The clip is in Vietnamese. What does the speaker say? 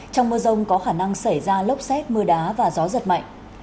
trong mưa rông có khả năng xảy ra lốc xét mưa đá và gió giật mạnh